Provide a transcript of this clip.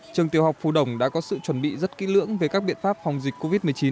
trường tiểu học phú đồng đã có sự chuẩn bị rất kỹ lưỡng về các biện pháp phòng dịch covid một mươi chín